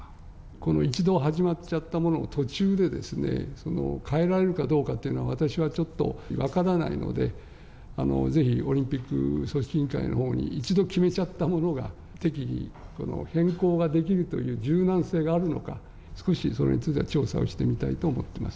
この一度、始まっちゃったものを途中でですね、変えられるかどうかというのは、私はちょっと分からないので、ぜひ、オリンピック組織委員会のほうに、一度決めちゃったものが適宜変更ができるという柔軟性があるのか、少しそれについては調査をしてみたいと思っています。